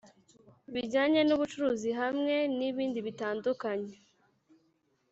Bijyanye n ubucuruzi hamwe nibindibitandukanye